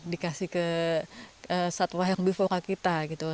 dikasih ke satwa yang before kita